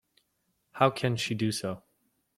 How can she do so?